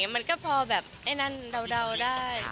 มันก็พอแบบไอ้นั่นเดาได้